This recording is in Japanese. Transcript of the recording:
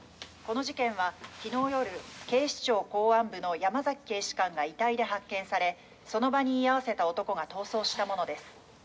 この事件は昨日夜警視庁公安部の山崎警視監が遺体で発見されその場に居合わせた男が逃走したものです。